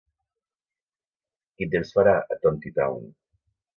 Quin temps farà a Tontitown?